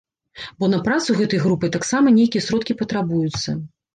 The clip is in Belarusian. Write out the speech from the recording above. Бо на працу гэтай групы таксама нейкія сродкі патрабуюцца.